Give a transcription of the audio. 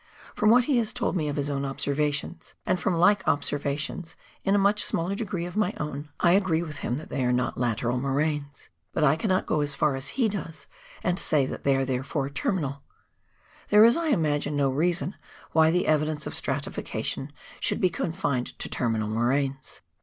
From what he has told me of his own observations, and from like observations — in a much smaller degree — of my own, I agree with him that they are not lateral moraines ; but I cannot go so far as he does, and say they are therefore terminal. There is, I imagine, no reason why the evidence of stratification should be confined to terminal moraines.